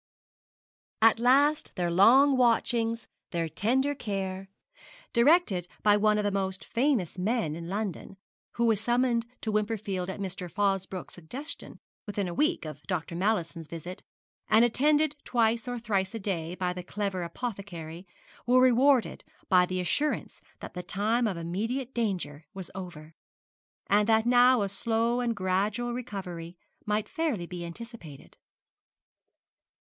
At last their long watchings, their tender care, directed by one of the most famous men in London who was summoned to Wimperfield at Mr. Fosbroke's suggestion within a week of Dr. Mallison's visit and attended twice or thrice a day by the clever apothecary, were rewarded by the assurance that the time of immediate danger was over, and that now a slow and gradual recovery might fairly be anticipated.